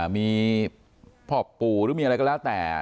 มีพ่อปู่หรือมีอะไรก็แล้วแต่